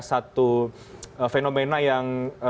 satu fenomena yang